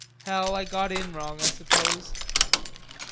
"Hell, I got in wrong, I suppose."